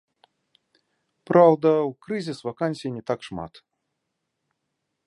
Праўда, у крызіс вакансій не так шмат.